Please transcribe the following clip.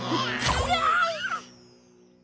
うわ。